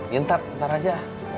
ya ntar ntar aja